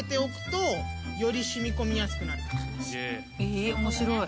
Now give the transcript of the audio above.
え面白い。